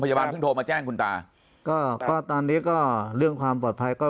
เพิ่งโทรมาแจ้งคุณตาก็ก็ตอนนี้ก็เรื่องความปลอดภัยก็